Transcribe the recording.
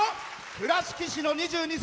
倉敷市の２２歳。